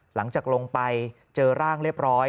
หลังจากลงไปเจอร่างเรียบร้อย